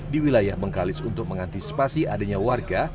di wilayah bengkalis untuk mengantisipasi adanya warga